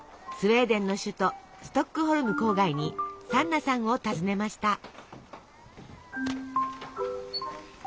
スウェーデンの首都ストックホルム郊外にサンナさんを訪ねました。